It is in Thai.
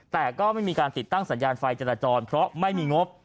แต่ก็ไม่มีการติดตั้งสัญญาณไฟจราจรเพราะไม่มีงบ